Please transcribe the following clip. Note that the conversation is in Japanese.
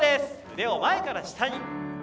腕を前から下に。